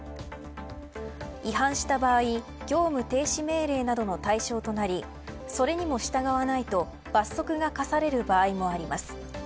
違反した場合業務停止命令などの対象となりそれにも従わないと罰則が科される場合もあります。